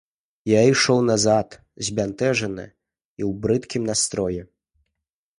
Я ішоў назад збянтэжаны і ў брыдкім настроі.